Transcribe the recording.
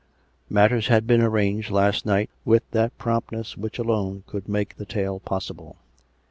Matters had been arranged last night with that prompt ness which alone could make the tale possible.